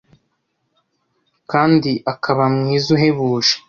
kandi akaba Mwiza uhebuje